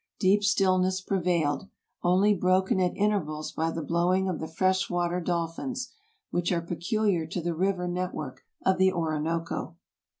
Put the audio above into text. Deep stillness prevailed, only broken at intervals by the blowing of the fresh water dolphins, which are peculiar to the river net work of the Orinoco.